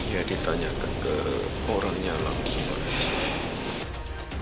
ya ditanyakan ke orangnya lagi